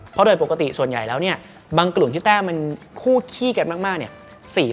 เพราะโดยปกติส่วนใหญ่แล้วเนี่ยบางกลุ่มที่แต้มมันคู่ขี้กันมากเนี่ย